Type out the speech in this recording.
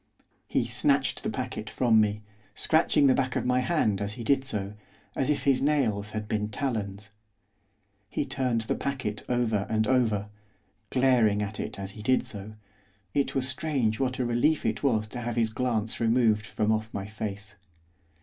He snatched the packet from me, scratching the back of my hand as he did so, as if his nails had been talons. He turned the packet over and over, glaring at it as he did so, it was strange what a relief it was to have his glance removed from off my face.